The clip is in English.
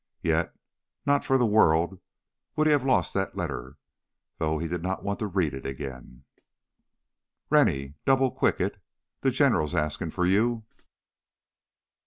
Yet not for the world would he have lost that letter, though he did not want to read it again. "Rennie! Double quick it; the General's askin' for you!"